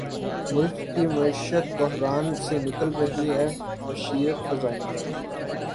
ملک کی معیشت بحران سے نکل رہی ہے مشیر خزانہ